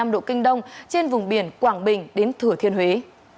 một trăm linh tám năm độ kinh đông trên vùng biển quảng bình đến thừa thiên huế